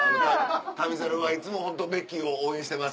『旅猿』はいつもホントベッキーを応援してます。